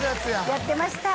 やってました。